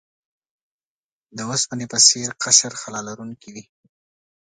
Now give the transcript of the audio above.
د اوسپنې په څیر قشر خلا لرونکی وي.